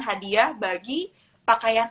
hadiah bagi pakaian